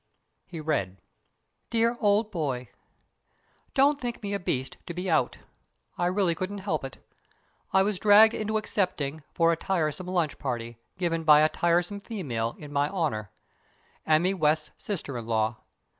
He read: DEAR OLD BOY: Don't think me a beast to be out. I really couldn't help it. I was dragged into accepting for a tiresome lunch party, given by a tiresome female, in my honour: Emmy West's sister in law.